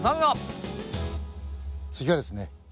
次はですね